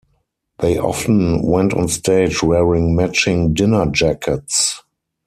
They often went on stage wearing matching dinner jackets.